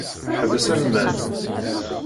Ḥbes almad!